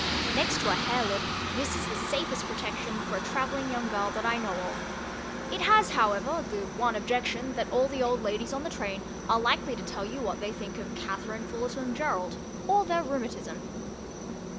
Next to a hare lip, this is the safest protection for a travelling young girl that I know of; it has, however, the one objection that all the old ladies on the train are likely to tell you what they think of Katherine Fullerton Gerould, or their rheumatism.